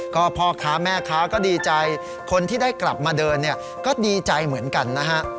ก็พ่อค้าแม่ค้าก็ดีใจคนที่ได้กลับมาเดินเนี่ยก็ดีใจเหมือนกันนะฮะ